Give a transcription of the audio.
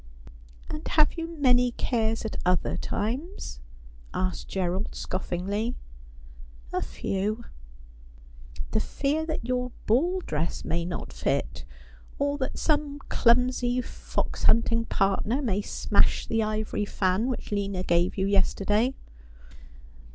'And have you many cares at other times?' asked G erald scoffingly. ' A few.' ' The fear that your ball dress may not fit ; or that some clumsy fox hunting partner may smash the ivory fan which Lina gave you yesterday.'